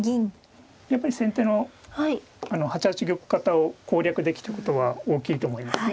やっぱり先手の８八玉型を攻略できたことは大きいと思いますね。